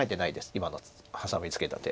今のハサミツケた手。